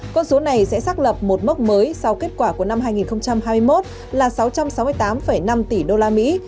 con số này sẽ xác lập một mốc mới sau kết quả của năm hai nghìn hai mươi một là sáu trăm sáu mươi tám năm tỷ usd